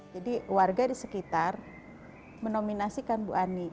warga di sekitar menominasikan bu ani